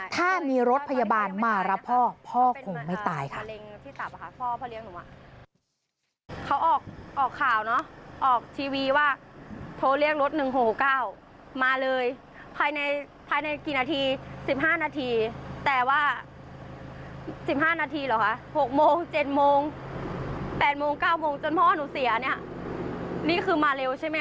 ถ้ามีรถพยาบาลมารับพ่อพ่อคงไม่ตายค่ะ